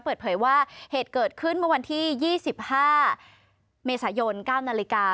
เปิดเผยว่าเหตุเกิดขึ้นเมื่อวันที่๒๕เมษายน๙นาฬิกา